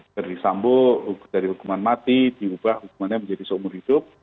dari sambo dari hukuman mati diubah hukumannya menjadi seumur hidup